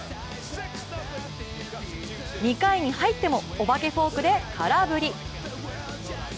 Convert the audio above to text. ２回に入っても、お化けフォークで空振り。